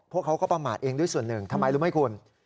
เขาก็ประมาทเองด้วยส่วนหนึ่งทำไมรู้ไหมคุณ